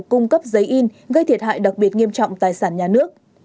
cung cấp giấy in gây thiệt hại đặc biệt nghiêm trọng tài sản nhà nước